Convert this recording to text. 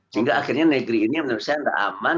sehingga akhirnya negeri ini menurut saya tidak aman